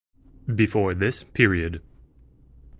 Before this period.